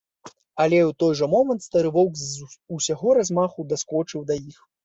Але ў той жа момант стары воўк з усяго размаху даскочыў да іх.